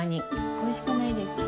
おいしくないです。